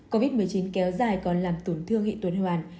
covid một mươi chín kéo dài còn làm tổn thương hệ tuần hoàn